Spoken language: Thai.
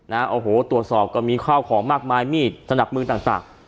โอ้โหตรวจสอบก็มีข้าวของมากมายมีดสนับมือต่างต่าง